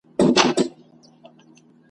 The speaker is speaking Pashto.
پر لکړه مي وروستی نفس دروړمه !.